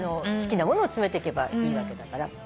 好きなものを詰めてけばいいわけだから。